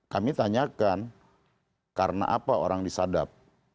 kami tanyakan karena apa orang disadap